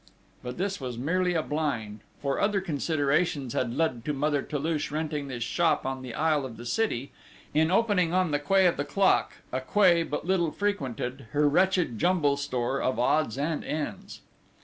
But this was merely a blind, for other considerations had led to Mother Toulouche renting this shop on the Isle of the City, in opening on the quay of the Clock, a quay but little frequented, her wretched jumble store of odds and ends.